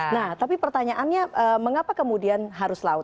nah tapi pertanyaannya mengapa kemudian harus laut